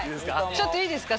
ちょっといいですか？